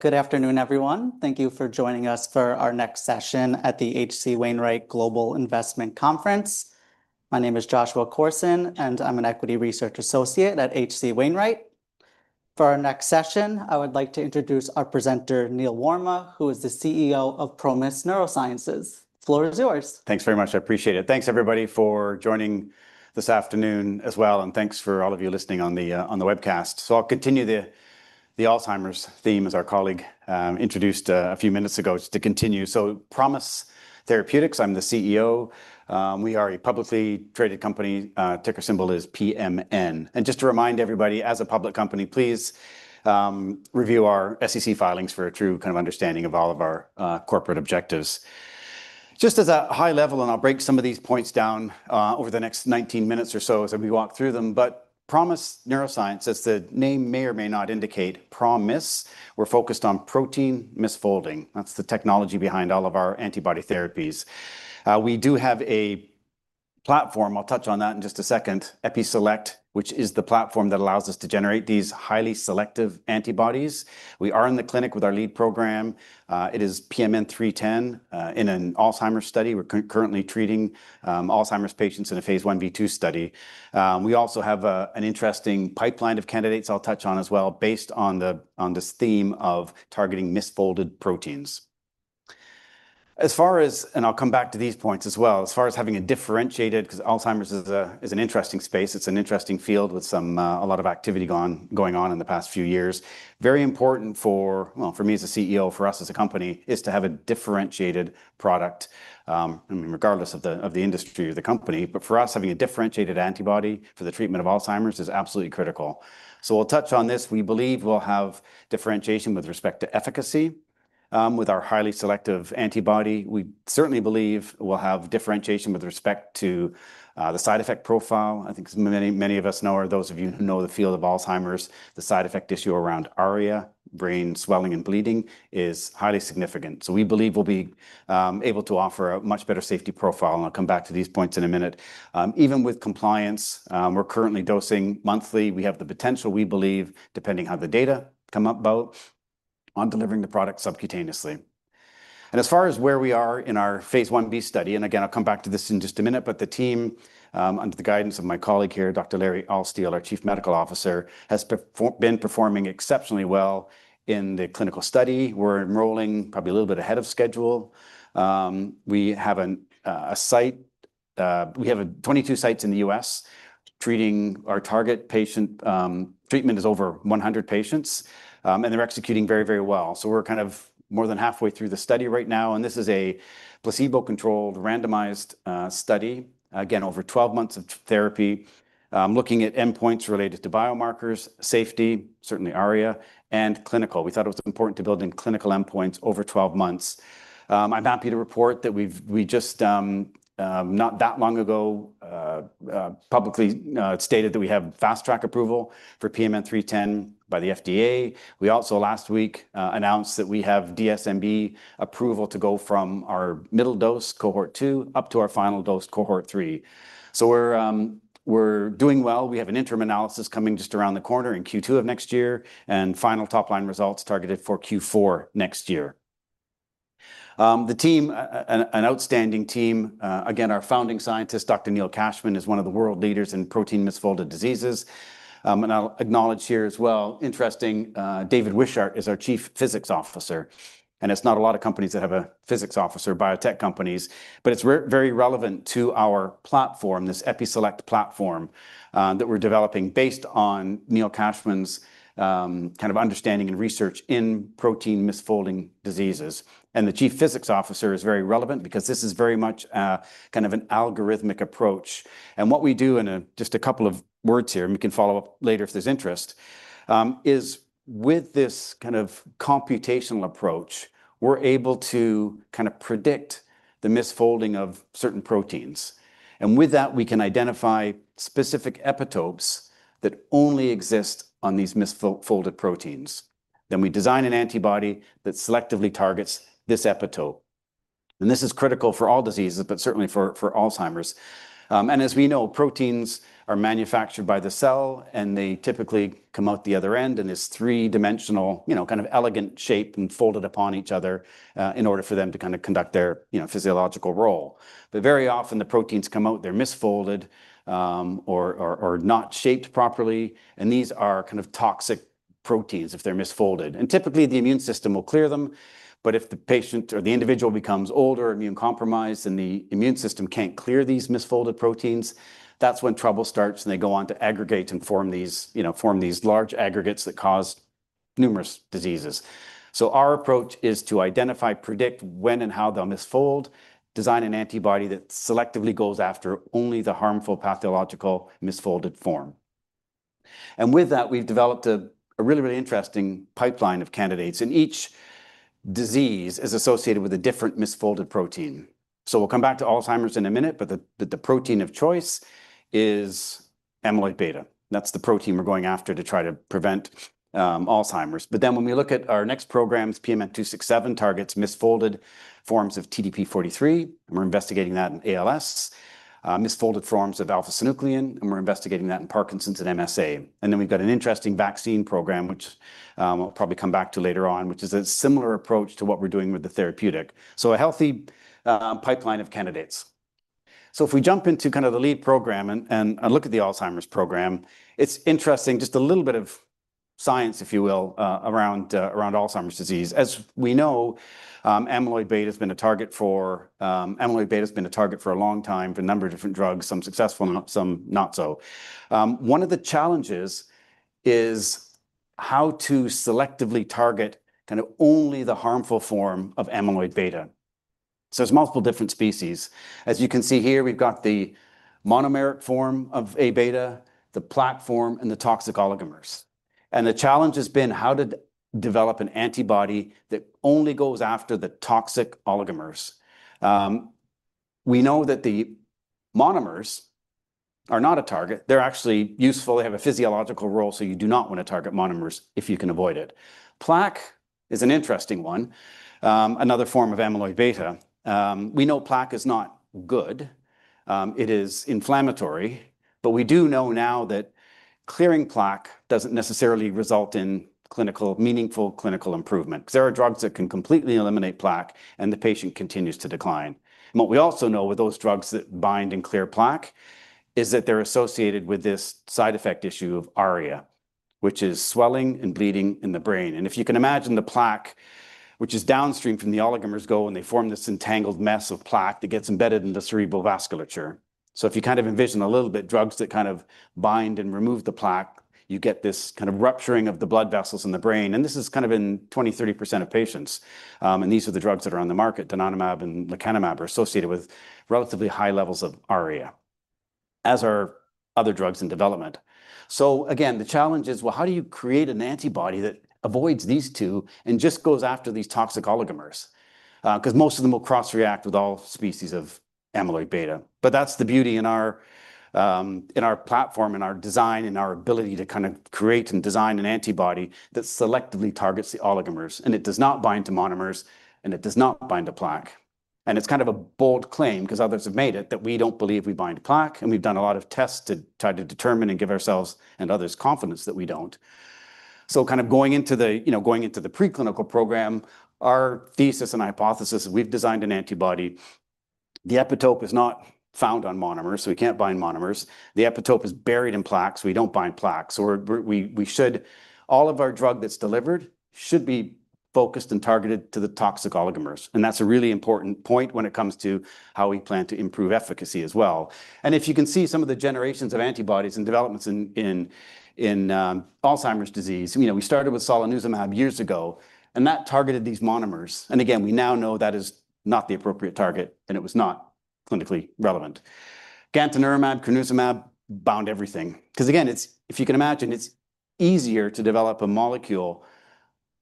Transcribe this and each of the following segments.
Good afternoon, everyone. Thank you for joining us for our next session at the H.C. Wainwright Global Investment Conference. My name is Joshua Corson, and I'm an equity research associate at H.C. Wainwright. For our next session, I would like to introduce our presenter, Neil Warma, who is the CEO of ProMIS Neurosciences. The floor is yours. Thanks very much. I appreciate it. Thanks, everybody, for joining this afternoon as well, and thanks for all of you listening on the webcast. So I'll continue the Alzheimer's theme as our colleague introduced a few minutes ago to continue. So ProMIS Neurosciences, I'm the CEO. We are a publicly traded company. Ticker symbol is PMN. And just to remind everybody, as a public company, please review our SEC filings for a true kind of understanding of all of our corporate objectives. Just as a high level, and I'll break some of these points down over the next 19 minutes or so as we walk through them. But ProMIS Neurosciences, as the name may or may not indicate, ProMIS, we're focused on protein misfolding. That's the technology behind all of our antibody therapies. We do have a platform. I'll touch on that in just a second, EpiSelect, which is the platform that allows us to generate these highly selective antibodies. We are in the clinic with our lead program. It is PMN 310 in an Alzheimer's study. We're currently treating Alzheimer's patients in a Phase Ib study. We also have an interesting pipeline of candidates I'll touch on as well based on this theme of targeting misfolded proteins. As far as, and I'll come back to these points as well, as far as having a differentiated, because Alzheimer's is an interesting space. It's an interesting field with a lot of activity going on in the past few years. Very important for, well, for me as a CEO, for us as a company, is to have a differentiated product. I mean, regardless of the industry or the company, but for us, having a differentiated antibody for the treatment of Alzheimer's is absolutely critical. So we'll touch on this. We believe we'll have differentiation with respect to efficacy with our highly selective antibody. We certainly believe we'll have differentiation with respect to the side effect profile. I think many of us know, or those of you who know the field of Alzheimer's, the side effect issue around ARIA, brain swelling and bleeding is highly significant. So we believe we'll be able to offer a much better safety profile, and I'll come back to these points in a minute. Even with compliance, we're currently dosing monthly. We have the potential, we believe, depending on how the data come about, on delivering the product subcutaneously. As far as where we are in our Phase Ib study, and again, I'll come back to this in just a minute, but the team, under the guidance of my colleague here, Dr. Larry Altstiel, our Chief Medical Officer, has been performing exceptionally well in the clinical study. We're enrolling probably a little bit ahead of schedule. We have 22 sites in the U.S. treating our target patient. Treatment is over 100 patients, and they're executing very, very well. We're kind of more than halfway through the study right now, and this is a placebo-controlled, randomized study, again, over 12 months of therapy, looking at endpoints related to biomarkers, safety, certainly ARIA, and clinical. We thought it was important to build in clinical endpoints over 12 months. I'm happy to report that we just, not that long ago, publicly stated that we have fast track approval for PMN 310 by the FDA. We also, last week, announced that we have DSMB approval to go from our middle dose, cohort 2, up to our final dose, cohort 3. So we're doing well. We have an interim analysis coming just around the corner in Q2 of next year and final top line results targeted for Q4 next year. The team, an outstanding team. Again, our founding scientist, Dr. Neil Cashman, is one of the world leaders in protein misfolded diseases. And I'll acknowledge here as well, interesting, David Wishart is our Chief Physics Officer. It's not a lot of companies that have a physics officer, biotech companies, but it's very relevant to our platform, this EpiSelect platform that we're developing based on Neil Cashman's kind of understanding and research in protein misfolding diseases. The chief physics officer is very relevant because this is very much kind of an algorithmic approach. What we do, in just a couple of words here, and we can follow up later if there's interest, is with this kind of computational approach, we're able to kind of predict the misfolding of certain proteins. With that, we can identify specific epitopes that only exist on these misfolded proteins, then we design an antibody that selectively targets this epitope. This is critical for all diseases, but certainly for Alzheimer's. And as we know, proteins are manufactured by the cell, and they typically come out the other end in this three-dimensional kind of elegant shape and folded upon each other in order for them to kind of conduct their physiological role. But very often, the proteins come out, they're misfolded or not shaped properly, and these are kind of toxic proteins if they're misfolded. And typically, the immune system will clear them, but if the patient or the individual becomes older, immunocompromised, and the immune system can't clear these misfolded proteins, that's when trouble starts, and they go on to aggregate and form these large aggregates that cause numerous diseases. So our approach is to identify, predict when and how they'll misfold, design an antibody that selectively goes after only the harmful pathological misfolded form. And with that, we've developed a really, really interesting pipeline of candidates, and each disease is associated with a different misfolded protein. So we'll come back to Alzheimer's in a minute, but the protein of choice is amyloid beta. That's the protein we're going after to try to prevent Alzheimer's. But then when we look at our next programs, PMN 267 targets misfolded forms of TDP-43, and we're investigating that in ALS, misfolded forms of alpha-synuclein, and we're investigating that in Parkinson's and MSA. And then we've got an interesting vaccine program, which we'll probably come back to later on, which is a similar approach to what we're doing with the therapeutic. So a healthy pipeline of candidates. So if we jump into kind of the lead program and look at the Alzheimer's program, it's interesting, just a little bit of science, if you will, around Alzheimer's disease. As we know, amyloid beta has been a target for a long time for a number of different drugs, some successful, some not so. One of the challenges is how to selectively target kind of only the harmful form of amyloid beta, so there's multiple different species. As you can see here, we've got the monomeric form of A beta, the plaque, and the toxic oligomers. And the challenge has been how to develop an antibody that only goes after the toxic oligomers. We know that the monomers are not a target. They're actually useful. They have a physiological role, so you do not want to target monomers if you can avoid it. Plaque is an interesting one, another form of amyloid beta. We know plaque is not good. It is inflammatory, but we do know now that clearing plaque doesn't necessarily result in clinical, meaningful clinical improvement. There are drugs that can completely eliminate plaque, and the patient continues to decline. What we also know with those drugs that bind and clear plaque is that they're associated with this side effect issue of ARIA, which is swelling and bleeding in the brain. If you can imagine the plaque, which is downstream from the oligomers go when they form this entangled mess of plaque, it gets embedded in the cerebral vasculature. If you kind of envision a little bit drugs that kind of bind and remove the plaque, you get this kind of rupturing of the blood vessels in the brain. This is kind of in 20%-30% of patients. These are the drugs that are on the market. Donanemab and lecanemab are associated with relatively high levels of ARIA, as are other drugs in development. So again, the challenge is, well, how do you create an antibody that avoids these two and just goes after these toxic oligomers? Because most of them will cross-react with all species of amyloid beta. But that's the beauty in our platform, in our design, in our ability to kind of create and design an antibody that selectively targets the oligomers, and it does not bind to monomers, and it does not bind to plaque. And it's kind of a bold claim, because others have made it, that we don't believe we bind to plaque, and we've done a lot of tests to try to determine and give ourselves and others confidence that we don't. So kind of going into the pre-clinical program, our thesis and hypothesis, we've designed an antibody. The epitope is not found on monomers, so we can't bind monomers. The epitope is buried in plaque, so we don't bind plaque. So all of our drug that's delivered should be focused and targeted to the toxic oligomers. And that's a really important point when it comes to how we plan to improve efficacy as well. And if you can see some of the generations of antibodies and developments in Alzheimer's disease, we started with solanezumab years ago, and that targeted these monomers. And again, we now know that is not the appropriate target, and it was not clinically relevant. Gantenerumab, crenezumab bound everything. Because again, if you can imagine, it's easier to develop a molecule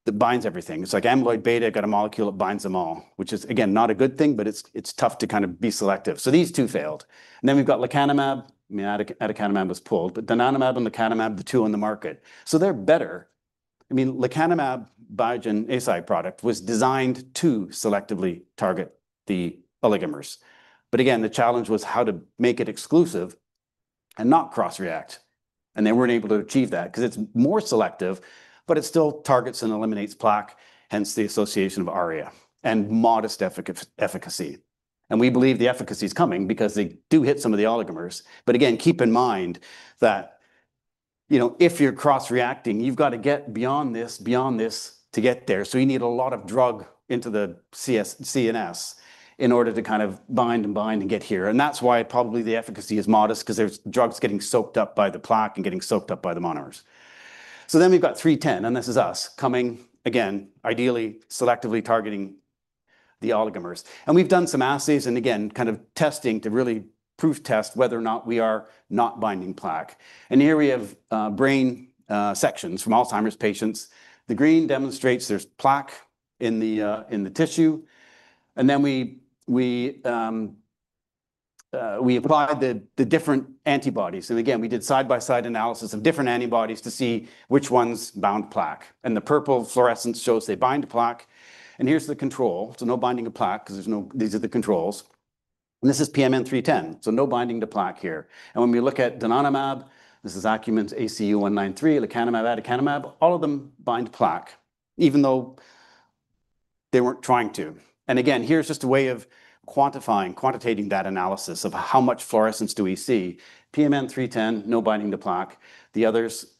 that binds everything. It's like amyloid beta got a molecule that binds them all, which is, again, not a good thing, but it's tough to kind of be selective. So these two failed. And then we've got Lecanemab. I mean, Aducanumab was pulled, but Donanemab and Lecanemab, the two on the market. So they're better. I mean, Lecanemab Biogen Eisai product was designed to selectively target the oligomers. But again, the challenge was how to make it exclusive and not cross-react. And they weren't able to achieve that because it's more selective, but it still targets and eliminates plaque, hence the association of ARIA and modest efficacy. And we believe the efficacy is coming because they do hit some of the oligomers. But again, keep in mind that if you're cross-reacting, you've got to get beyond this to get there. So you need a lot of drug into the CNS in order to kind of bind and bind and get here. And that's why probably the efficacy is modest, because there's drugs getting soaked up by the plaque and getting soaked up by the monomers. So then we've got 310, and this is us coming again, ideally selectively targeting the oligomers. And we've done some assays and again, kind of testing to really proof test whether or not we are not binding plaque. And here we have brain sections from Alzheimer's patients. The green demonstrates there's plaque in the tissue. And then we applied the different antibodies. And again, we did side-by-side analysis of different antibodies to see which ones bound plaque. And the purple fluorescence shows they bind to plaque. And here's the control. So no binding to plaque because these are the controls. And this is PMN 310. So no binding to plaque here. When we look at donanemab, this is Acumen ACU193, lecanemab, aducanumab, all of them bind to plaque, even though they weren't trying to. Again, here's just a way of quantifying, quantitating that analysis of how much fluorescence do we see. PMN 310, no binding to plaque. The others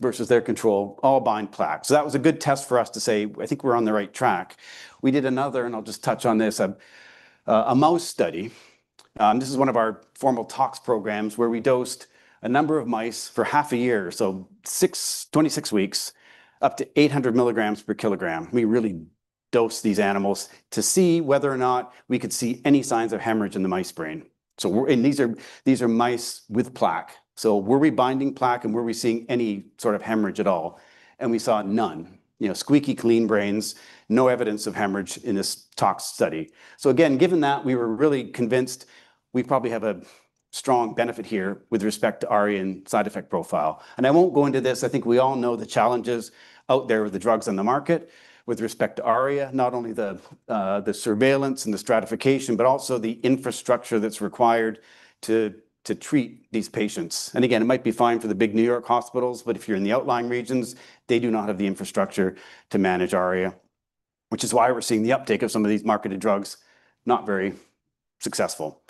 versus their control all bind plaque. That was a good test for us to say, I think we're on the right track. We did another, and I'll just touch on this, a mouse study. This is one of our formal tox programs where we dosed a number of mice for half a year, so 26 weeks, up to 800 milligrams per kilogram. We really dosed these animals to see whether or not we could see any signs of hemorrhage in the mice brain. These are mice with plaque. So were we binding plaque and were we seeing any sort of hemorrhage at all? And we saw none. Squeaky clean brains, no evidence of hemorrhage in this tox study. So again, given that, we were really convinced we probably have a strong benefit here with respect to ARIA and side effect profile. And I won't go into this. I think we all know the challenges out there with the drugs on the market with respect to ARIA, not only the surveillance and the stratification, but also the infrastructure that's required to treat these patients. And again, it might be fine for the big New York hospitals, but if you're in the outlying regions, they do not have the infrastructure to manage ARIA, which is why we're seeing the uptake of some of these marketed drugs not very successful.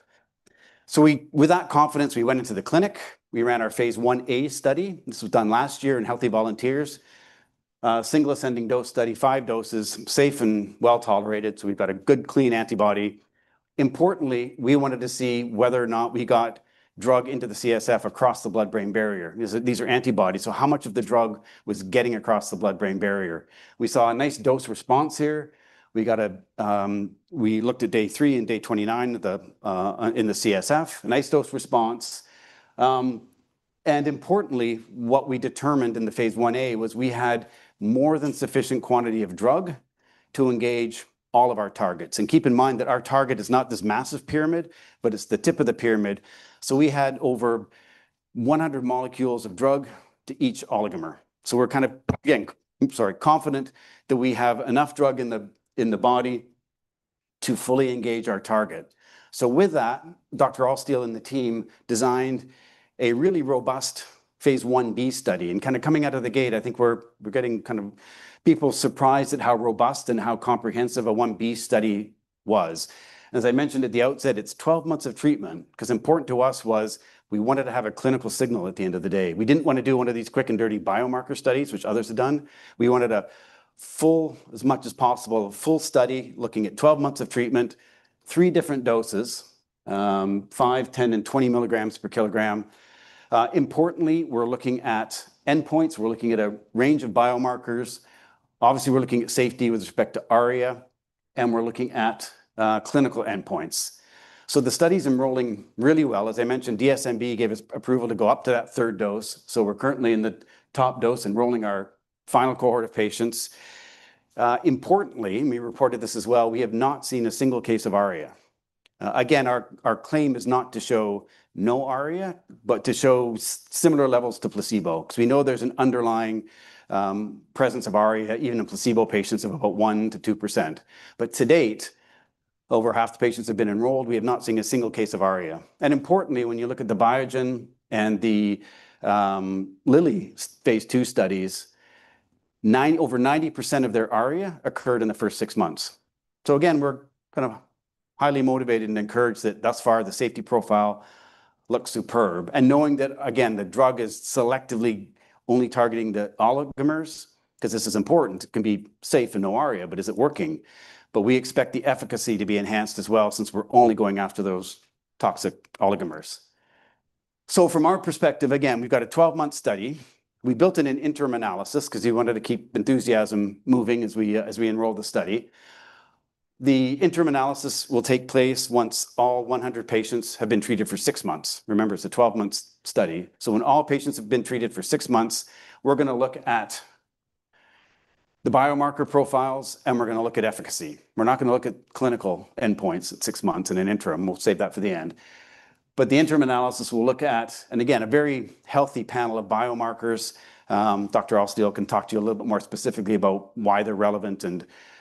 So with that confidence, we went into the clinic. We ran our Phase Ia study. This was done last year in healthy volunteers. Single ascending dose study, five doses, safe and well tolerated. So we've got a good, clean antibody. Importantly, we wanted to see whether or not we got drug into the CSF across the blood-brain barrier. These are antibodies. So how much of the drug was getting across the blood-brain barrier? We saw a nice dose response here. We looked at day three and day 29 in the CSF, a nice dose response. And importantly, what we determined in the phase Ia was we had more than sufficient quantity of drug to engage all of our targets. And keep in mind that our target is not this massive pyramid, but it's the tip of the pyramid. So we had over 100 molecules of drug to each oligomer. We're kind of, again, sorry, confident that we have enough drug in the body to fully engage our target. With that, Dr. Altstiel and the team designed a really robust phase Ib study. Kind of coming out of the gate, I think we're getting kind of people surprised at how robust and how comprehensive a 1b study was. As I mentioned at the outset, it's 12 months of treatment because important to us was we wanted to have a clinical signal at the end of the day. We didn't want to do one of these quick and dirty biomarker studies, which others have done. We wanted a full, as much as possible, full study looking at 12 months of treatment, three different doses, 5, 10, and 20 milligrams per kilogram. Importantly, we're looking at endpoints. We're looking at a range of biomarkers. Obviously, we're looking at safety with respect to ARIA, and we're looking at clinical endpoints. So the study's enrolling really well. As I mentioned, DSMB gave us approval to go up to that third dose. So we're currently in the top dose enrolling our final cohort of patients. Importantly, we reported this as well, we have not seen a single case of ARIA. Again, our claim is not to show no ARIA, but to show similar levels to placebo because we know there's an underlying presence of ARIA, even in placebo patients of about 1 to 2%. But to date, over half the patients have been enrolled. We have not seen a single case of ARIA. And importantly, when you look at the Biogen and the Lilly phase II studies, over 90% of their ARIA occurred in the first six months. So again, we're kind of highly motivated and encouraged that thus far the safety profile looks superb. And knowing that, again, the drug is selectively only targeting the oligomers, because this is important, it can be safe and no ARIA, but is it working? But we expect the efficacy to be enhanced as well since we're only going after those toxic oligomers. So from our perspective, again, we've got a 12-month study. We built in an interim analysis because we wanted to keep enthusiasm moving as we enroll the study. The interim analysis will take place once all 100 patients have been treated for six months. Remember, it's a 12-month study. So when all patients have been treated for six months, we're going to look at the biomarker profiles, and we're going to look at efficacy. We're not going to look at clinical endpoints at six months in an interim. We'll save that for the end. But the interim analysis will look at, and again, a very healthy panel of biomarkers. Dr. Altstiel can talk to you a little bit more specifically about why they're relevant,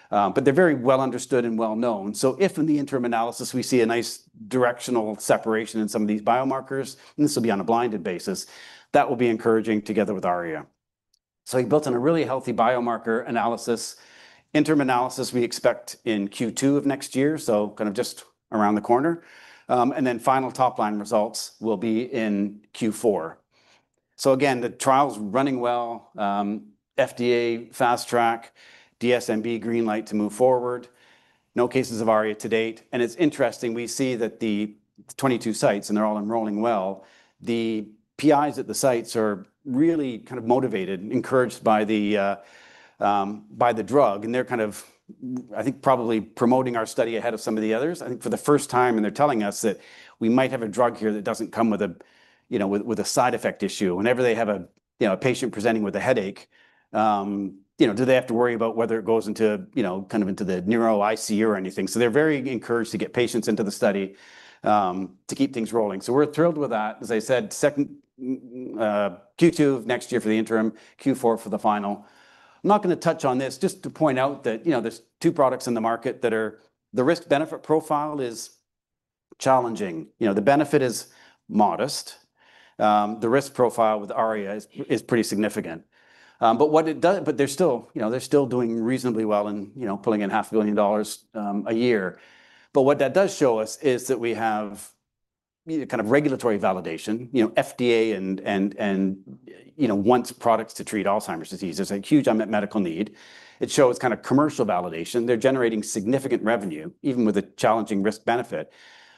but they're very well understood and well known. So if in the interim analysis we see a nice directional separation in some of these biomarkers, and this will be on a blinded basis, that will be encouraging together with RA. So we built in a really healthy biomarker analysis. Interim analysis we expect in Q2 of next year, so kind of just around the corner. And then final top-line results will be in Q4. So again, the trial's running well. FDA fast track, DSMB green light to move forward. No cases of RA to date. And it's interesting. We see that the 22 sites, and they're all enrolling well. The PIs at the sites are really kind of motivated, encouraged by the drug. And they're kind of, I think, probably promoting our study ahead of some of the others. I think for the first time, and they're telling us that we might have a drug here that doesn't come with a side effect issue. Whenever they have a patient presenting with a headache, do they have to worry about whether it goes kind of into the neuro ICU or anything? So they're very encouraged to get patients into the study to keep things rolling. So we're thrilled with that. As I said, Q2 of next year for the interim, Q4 for the final. I'm not going to touch on this just to point out that there's two products in the market that are. The risk-benefit profile is challenging. The benefit is modest. The risk profile with ARIA is pretty significant. But what it does, but they're still doing reasonably well in pulling in $500 million a year. But what that does show us is that we have kind of regulatory validation. FDA wants products to treat Alzheimer's disease. There's a huge unmet medical need. It shows kind of commercial validation. They're generating significant revenue, even with a challenging risk-benefit.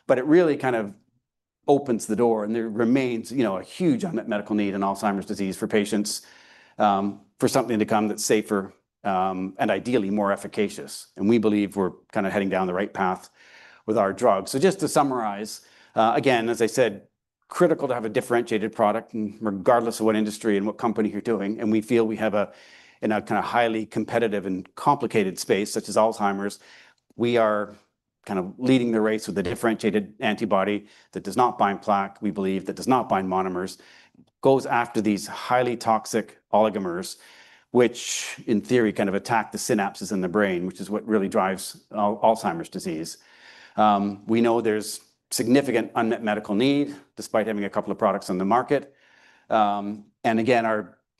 But it really kind of opens the door. And there remains a huge unmet medical need in Alzheimer's disease for patients for something to come that's safer and ideally more efficacious. And we believe we're kind of heading down the right path with our drug. So just to summarize, again, as I said, critical to have a differentiated product regardless of what industry and what company you're doing. And we feel we have in a kind of highly competitive and complicated space such as Alzheimer's, we are kind of leading the race with a differentiated antibody that does not bind plaque, we believe, that does not bind monomers, goes after these highly toxic oligomers, which in theory kind of attack the synapses in the brain, which is what really drives Alzheimer's disease. We know there's significant unmet medical need despite having a couple of products on the market. And again,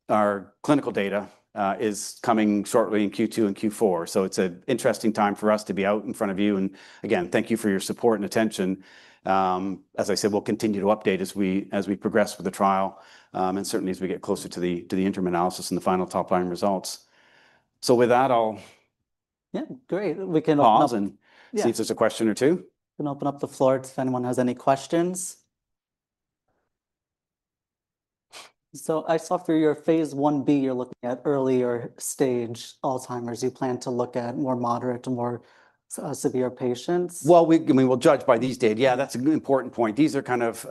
our clinical data is coming shortly in Q2 and Q4. So it's an interesting time for us to be out in front of you. And again, thank you for your support and attention. As I said, we'll continue to update as we progress with the trial and certainly as we get closer to the interim analysis and the final top-line results. So with that, I'll yeah, great. We can open up and see if there's a question or two. Can open up the floor if anyone has any questions. So I saw for your phase IB, you're looking at earlier stage Alzheimer's. You plan to look at more moderate to more severe patients. Well, I mean, we'll judge by these data. Yeah, that's an important point. These are kind of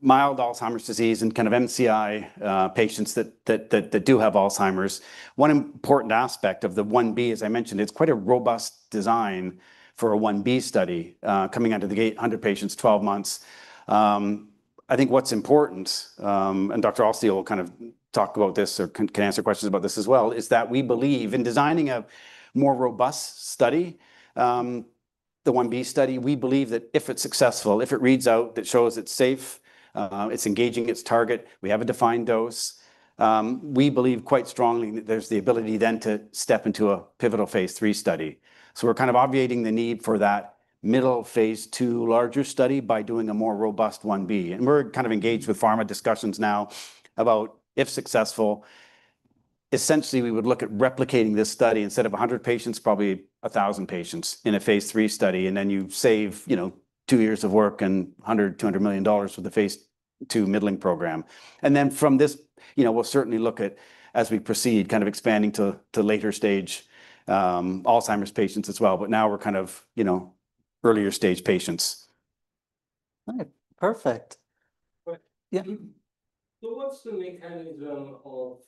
mild Alzheimer's disease and kind of MCI patients that do have Alzheimer's. One important aspect of the 1B, as I mentioned, it's quite a robust design for a 1B study coming out of the gate, 100 patients, 12 months. I think what's important, and Dr. Altstiel will kind of talk about this or can answer questions about this as well, is that we believe in designing a more robust study, the phase Ib study. We believe that if it's successful, if it reads out that shows it's safe, it's engaging its target, we have a defined dose, we believe quite strongly that there's the ability then to step into a pivotal phase III study. So we're kind of obviating the need for that middle phase II larger study by doing a more robust phase Ib. And we're kind of engaged with pharma discussions now about if successful, essentially, we would look at replicating this study instead of 100 patients, probably 1,000 patients in a phase III study. And then you save two years of work and $100-$200 million with the phase II middling program. And then from this, we'll certainly look at, as we proceed, kind of expanding to later stage Alzheimer's patients as well. But now we're kind of earlier stage patients. All right. Perfect. Yeah. So what's the mechanism of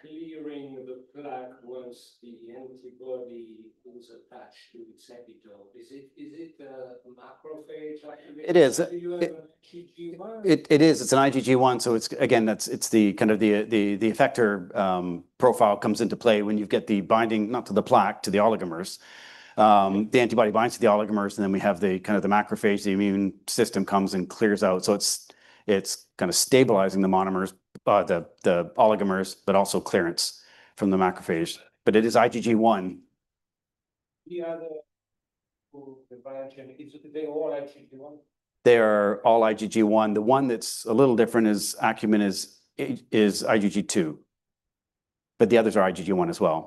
clearing the plaque once the antibody is attached to its epitope? Is it a macrophage activation? It is. It is. It's an IgG1. So again, it's the kind of the effector profile comes into play when you get the binding, not to the plaque, to the oligomers. The antibody binds to the oligomers, and then we have the kind of the macrophage, the immune system comes and clears out. So it's kind of stabilizing the monomers, the oligomers, but also clearance from the macrophage. But it is IgG1. The other who they bind to, they're all IgG1? They are all IgG1. The one that's a little different is Acumen is IgG2. But the others are IgG1 as well.